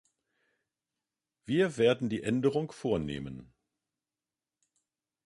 Wir werden die Änderung vornehmen.